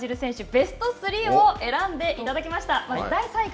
ベスト３を選んでいただきました。